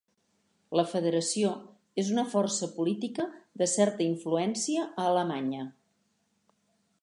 La Federació és una força política de certa influència a Alemanya.